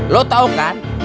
lo tau kan